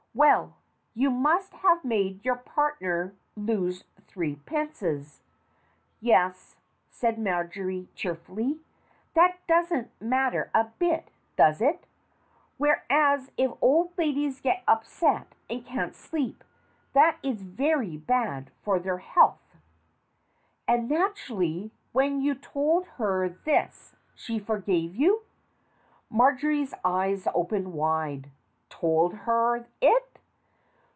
"Well, you must have made your partner lose three pences." "Yes," said Marjory cheerfully. "That doesn't mat ter a bit, does it? Whereas, if old ladies get upset and can't sleep, that is very bad for their health." "And, naturally, when you told her this, she forgave you?" Marjory's eyes opened wide. "Told her it?